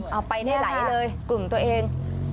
ไปได้ไหลเลยกลุ่มตัวเอง